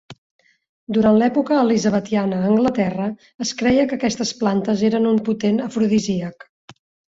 Durant l'època elisabetiana a Anglaterra, es creia que aquestes plantes eren un potent afrodisíac.